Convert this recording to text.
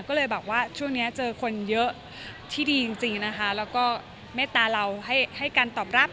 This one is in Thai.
ก็เลยบอกว่าช่วงนี้เจอคนเยอะที่ดีจริงนะคะแล้วก็เมตตาเราให้การตอบรับ